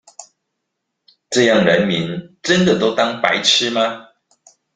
這樣人民真的都當白痴嗎？